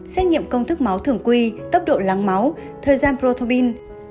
xét nghiệm công thức máu thường quy tốc độ lắng máu thời gian proteobin